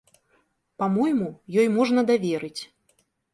Па-мойму, ёй можна даверыць.